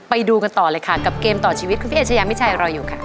ไปดูกันต่อเลยค่ะกับเกมต่อชีวิตคุณพี่เอชยามิชัยรออยู่ค่ะ